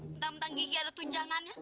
mentang mentang gigi ada tunjangannya